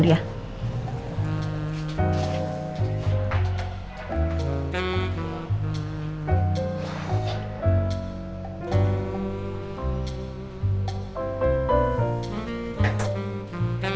di sini juga kan